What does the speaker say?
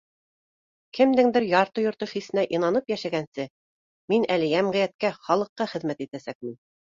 Кемдең дер ярты-йорто хисенә инанып йәшәгәнсе, мин әле йәм ғиәткә, халыҡҡа хеҙмәт итәсәкмен